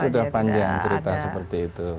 sudah panjang cerita seperti itu